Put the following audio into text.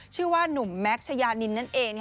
ชื่อว่านุ่มแม็กชายานินนั่นเอง